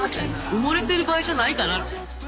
埋もれてる場合じゃないかな。